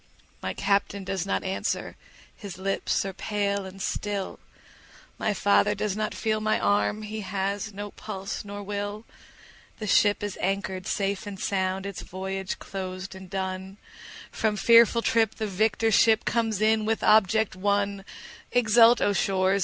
My Captain does not answer, his lips are pale and still, My father does not feel my arm, he has no pulse nor will; The ship is anchor'd safe and sound, its voyage closed and done, From fearful trip the victor ship comes in with object won; 20 Exult, O shores!